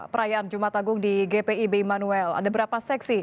perayaan jumat agung di gpib immanuel jakarta